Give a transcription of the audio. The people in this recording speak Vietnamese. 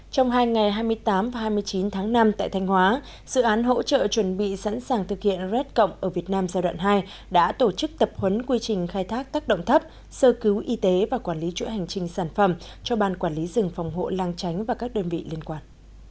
trong hai ngày hai mươi tám và hai mươi chín tháng năm tại thanh hóa dự án hỗ trợ chuẩn bị sẵn sàng thực hiện red cộng ở việt nam giai đoạn hai đã tổ chức tập huấn quy trình khai thác tác động thấp sơ cứu y tế và quản lý chuỗi hành trình sản phẩm cho ban quản lý rừng phòng hộ lang tránh và các đơn vị liên quan